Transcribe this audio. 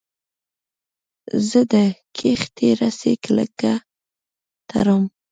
زه د کښتۍ رسۍ کلکه تړم.